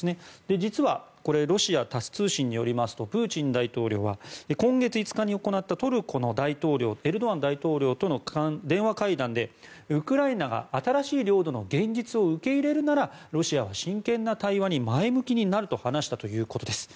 実はロシアのタス通信によりますとプーチン大統領は今月５日に行ったトルコのエルドアン大統領との電話会談でウクライナが新しい領土の現実を受け入れるならロシアは真剣な対話に前向きになると話したということです。